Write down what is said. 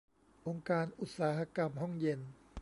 องค์การอุตสาหกรรมห้องเย็น